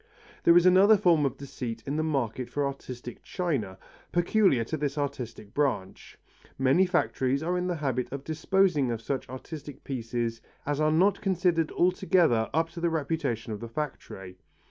There is another form of deceit in the market for artistic china, peculiar to this particular branch. Many factories are in the habit of disposing of such artistic pieces as are not considered altogether up to the reputation of the factory.